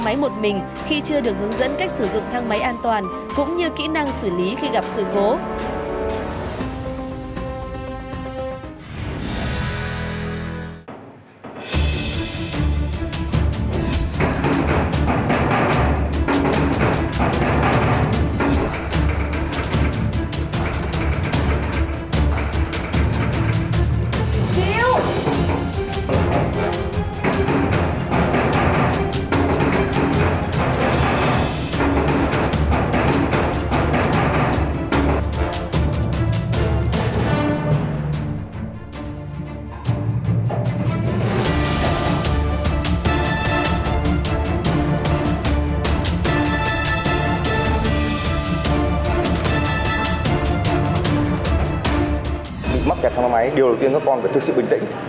bị mắc kẹt trong thang máy điều đầu tiên các con phải thực sự bình tĩnh